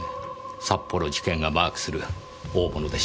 札幌地検がマークする大物でしょうから。